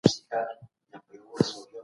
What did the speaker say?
د جنت اوسیدونکي هم انسانان دي.